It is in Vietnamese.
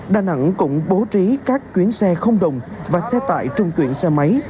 đà nẵng cũng bố trí các chuyến xe không đồng và xe tải trung chuyển xe máy